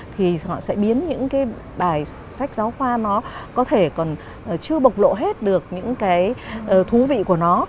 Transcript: thì họ sẽ biến những cái bài sách giáo khoa nó có thể còn chưa bộc lộ hết được những cái thú vị của nó